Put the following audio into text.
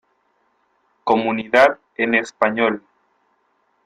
Comunidad en español.